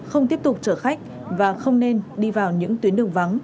không tiếp tục chở khách và không nên đi vào những tuyến đường vắng